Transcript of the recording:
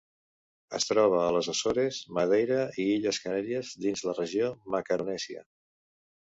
Es troba a les Açores, Madeira, i illes Canàries dins la regió Macaronèsia.